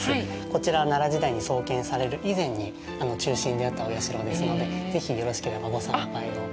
こちらが奈良時代に創建される以前に中心であったお社ですので、ぜひ、よろしければご参拝を。